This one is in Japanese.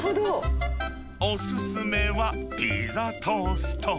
お勧めは、ピザトースト。